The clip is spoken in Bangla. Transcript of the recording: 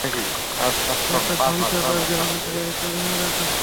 এ একটা ঝঞ্ঝা-বায়ু, যার মধ্যে রয়েছে বেদনাদায়ক শাস্তি।